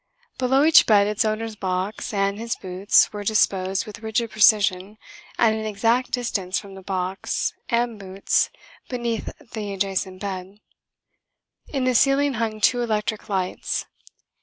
Below each bed its owner's box and his boots were disposed with rigid precision at an exact distance from the box and boots beneath the adjacent bed. In the ceiling hung two electric lights.